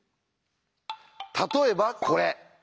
例えばこれ。